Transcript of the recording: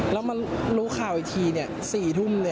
แล้วมารู้ข่าวอีกที๔ทุ่ม